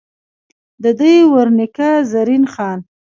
ددوي ور نيکۀ، زرين خان ،